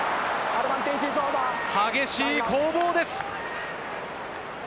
激しい攻防です！